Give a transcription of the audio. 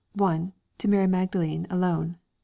To Mary Magdalene alone.